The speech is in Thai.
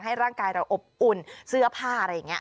ร่างกายเราอบอุ่นเสื้อผ้าอะไรอย่างนี้